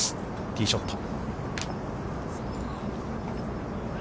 ティーショット。